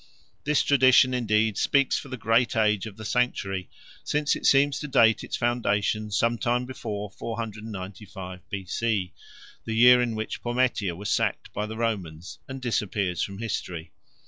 This tradition indeed speaks for the great age of the sanctuary, since it seems to date its foundation sometime before 495 B.C., the year in which Pometia was sacked by the Romans and disappears from history.